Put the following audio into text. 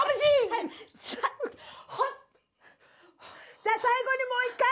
じゃあ最後にもう一回！